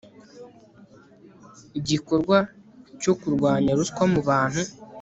igikorwa cyokurwanya ruswa mubantu